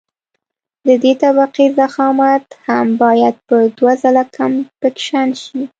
د دې طبقې ضخامت هم باید په دوه ځله کمپکشن شي